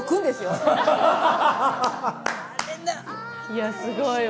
いやすごいわ。